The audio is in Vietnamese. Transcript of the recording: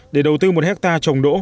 để đầu tư một hectare trồng đỗ